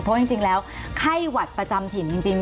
เพราะจริงแล้วไข้หวัดประจำถิ่นจริง